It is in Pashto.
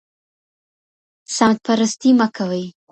سمت پرستي مه کوئ.